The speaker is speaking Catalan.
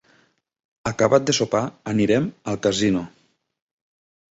Acabat de sopar anirem al casino.